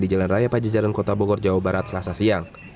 di jalan raya pajajaran kota bogor jawa barat selasa siang